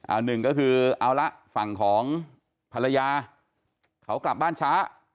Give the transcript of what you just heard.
เอาหนึ่งก็คือเอาละฝั่งของภรรยาเขากลับบ้านช้า